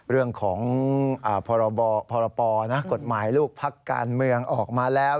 เรื่องของพรปกฎหมายลูกพักการเมืองออกมาแล้ว